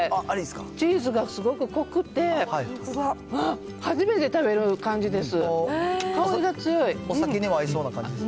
チーズがすごく濃くて、あっ、初めて食べる感じです。